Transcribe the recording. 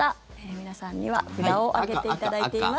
皆さんには札を上げていただいています。